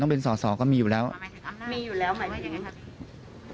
ต้องเป็นสอสอก็มีอยู่แล้วมีอยู่แล้วหมายถึง